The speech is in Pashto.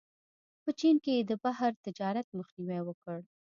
په چین کې یې د بهر تجارت مخنیوی وکړ.